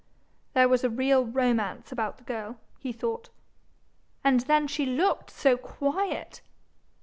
There was a real romance about the girl, he thought. And then she LOOKED so quiet!